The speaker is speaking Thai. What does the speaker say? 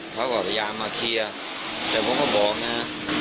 เขาก็พยายามมาเคลียร์แต่ผมก็บอกนะ